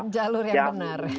jalur yang benar